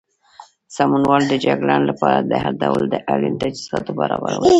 سمونوال د جګړې لپاره د هر ډول اړین تجهیزاتو برابرول کوي.